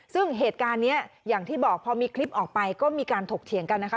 ซึ่งเหตุการณ์นี้อย่างที่บอกพอมีคลิปออกไปก็มีการถกเถียงกันนะคะ